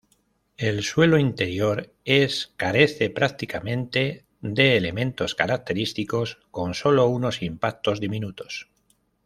El suelo interior es carece prácticamente de elementos característicos, con solo unos impactos diminutos.